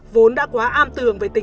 vốn đã quá am tường về tình hình